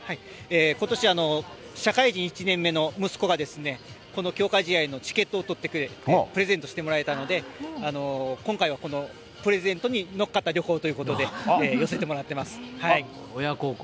ことし、社会人１年目の息子がですね、この強化試合のチケットを取ってくれてプレゼントしてくれたので、今回は、このプレゼントに乗っかった旅行ということで、寄せてもらってい親孝行。